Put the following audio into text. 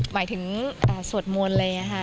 หมายถึงสวดมวลเลย